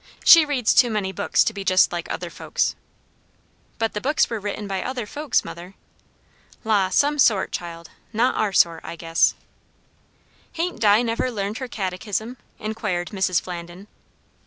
She reads too many books to be just like other folks." "But the books were written by other folks, mother." "La! some sort, child. Not our sort, I guess." "Hain't Di never learned her catechism?" inquired Mrs. Flandin.